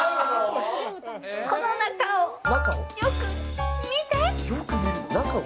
この中をよく見て。